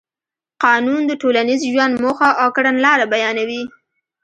قانون د ټولنیز ژوند موخه او کړنلاره بیانوي.